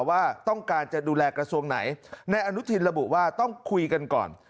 ว่าต้องการจะดูแลกระทรวงไหนนายอนุทินระบุว่าต้องคุยกันก่อน